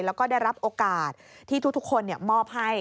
แล้วก็ได้รับโอกาสที่ทุกคนมอบให้